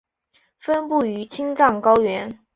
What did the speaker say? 分布于青藏高原。